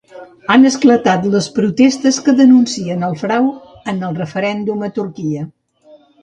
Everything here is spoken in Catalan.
Han esclatat les protestes que denuncien el frau en el referèndum a Turquia.